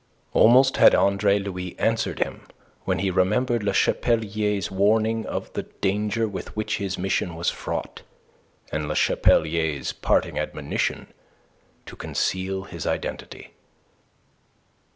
Almost had Andre Louis answered him when he remembered Le Chapelier's warning of the danger with which his mission was fraught, and Le Chapelier's parting admonition to conceal his identity.